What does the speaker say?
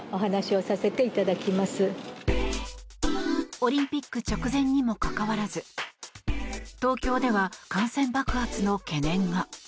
オリンピック直前にもかかわらず東京では感染爆発の懸念が。